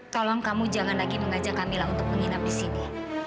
tolong kamu jangan lagi mengajak kamilah untuk menginap di sini